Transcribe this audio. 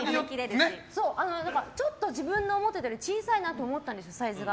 ちょっと自分の思ってたより小さいなと思ったんですサイズが。